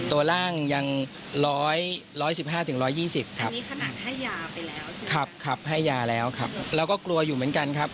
ตัวบนอย่างตัวล่างยัง๑๑๕ถึง๑๒๐ครับ